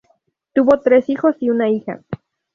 Tuvo tres hijos y una hija.